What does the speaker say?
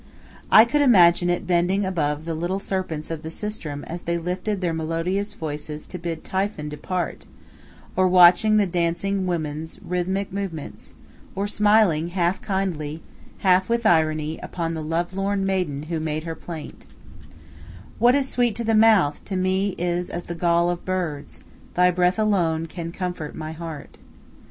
I could imagine it bending above the little serpents of the sistrum as they lifted their melodious voices to bid Typhon depart, or watching the dancing women's rhythmic movements, or smiling half kindly, half with irony, upon the lovelorn maiden who made her plaint: "What is sweet to the mouth, to me is as the gall of birds; Thy breath alone can comfort my heart."